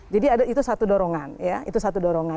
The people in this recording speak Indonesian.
jadi itu satu dorongan